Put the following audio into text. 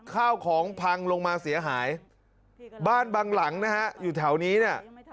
ข้าวของพังลงมาเสียหายบ้านบางหลังนะฮะอยู่แถวนี้เนี่ย